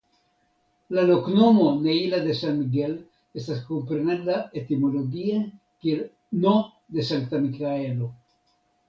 La loknomo "Neila de San Miguel" estas komprenebla etimologie kiel "N. de Sankta Mikaelo".